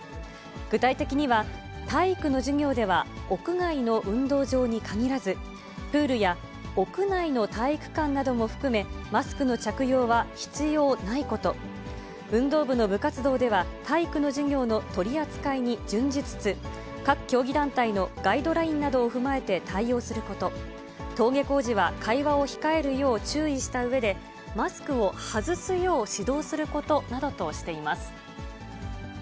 具体的には、体育の授業では、屋外の運動場に限らず、プールや屋内の体育館なども含め、マスクの着用は必要ないこと、運動部の部活動では、体育の授業の取り扱いに準じつつ、各競技団体のガイドラインなどを踏まえて対応すること、登下校時は会話を控えるよう注意したうえで、マスクを外すよう指導することなどとしています。